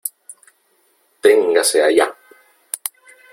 ¡ ténganse allá !